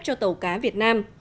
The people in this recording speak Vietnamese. cho tàu cá việt nam